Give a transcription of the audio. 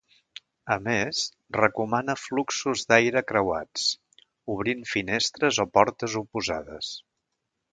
A més, recomana fluxos d’aire creuats, obrint finestres o portes oposades.